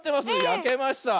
やけました。